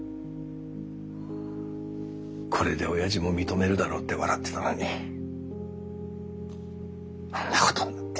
これでおやじも認めるだろうって笑ってたのにあんなことになって。